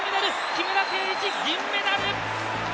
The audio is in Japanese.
木村敬一銀メダル！